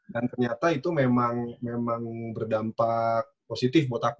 dan ternyata itu memang berdampak positif buat aku ya